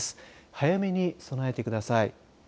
早めに備えてください。